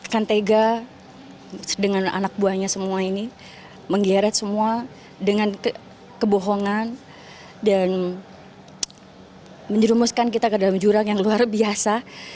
kantega dengan anak buahnya semua ini menggeret semua dengan kebohongan dan menjerumuskan kita ke dalam jurang yang luar biasa